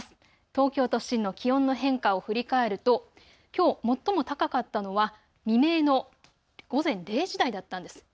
東京都心の気温の変化を振り返るときょう最も高かったのは未明の午前０時台だったんです。